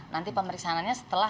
nanti pemeriksaannya setelah